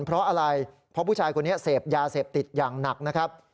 เพราะอะไรเพราะผู้ชายคนนี้เสพยาเสพติดอย่างหนักนะครับ